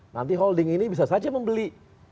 nanti holding ini bisa saja membeli